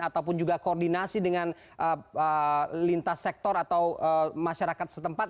ataupun juga koordinasi dengan lintas sektor atau masyarakat setempat